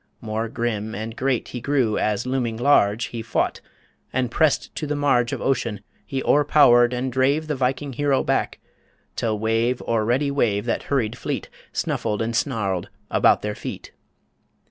More grim And great he grew as, looming large, He fought, and pressing to the marge Of ocean, he o'erpowered and drave The Viking hero back; till wave O'er ready wave that hurried fleet, Snuffled and snarled about their feet